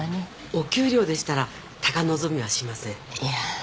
お給料でしたら高望みはしませんいや